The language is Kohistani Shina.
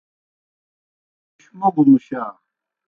بہیو پوْش موگو مُشا۔